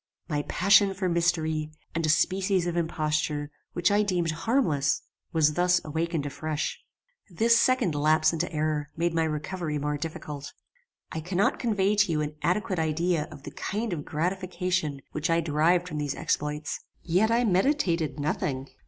"My passion for mystery, and a species of imposture, which I deemed harmless, was thus awakened afresh. This second lapse into error made my recovery more difficult. I cannot convey to you an adequate idea of the kind of gratification which I derived from these exploits; yet I meditated nothing.